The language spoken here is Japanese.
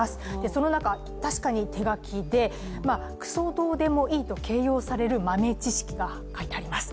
その中、確かに手書きでクソどうでもいいと形容される豆知識が書いてあります。